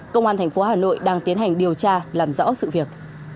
công an thành phố hà nội đang tiến hành điều tra làm rõ sự việc